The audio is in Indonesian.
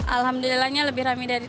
alhamdulillahnya lebih rami sekarang